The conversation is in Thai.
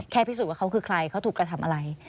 พิสูจน์ว่าเขาคือใครเขาถูกกระทำอะไร